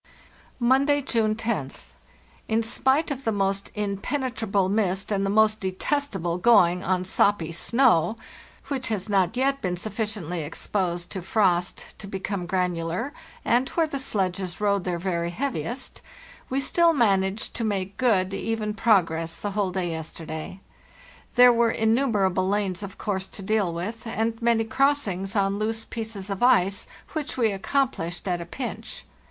"Monday, June roth. In spite of the most impene trable mist and the most detestable going on soppy snow, which has not yet been sufficiently exposed to frost to become granular, and where the sledges rode their very heaviest, we still managed to make good, even progress the whole day yesterday. There were innumer able lanes, of course, to deal with, and many crossings on loose pieces of ice, which we accomplished at a pinch.